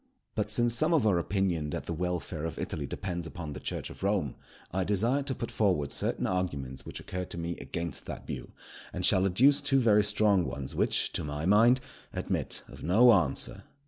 But since some are of opinion that the welfare of Italy depends upon the Church of Rome, I desire to put forward certain arguments which occur to me against that view, and shall adduce two very strong ones, which, to my mind, admit of no answer.